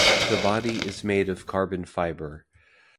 The body is made of carbon fiber.